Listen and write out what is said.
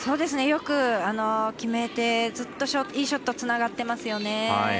よく決めてずっといいショットつながってますよね。